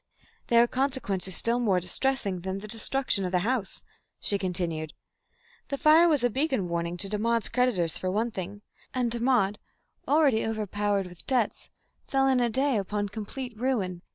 "There were consequences still more distressing than the destruction of the house," she continued. "The fire was a beacon warning to Dermod's creditors for one thing, and Dermod, already overpowered with debts, fell in a day upon complete ruin.